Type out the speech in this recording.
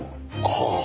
はあ。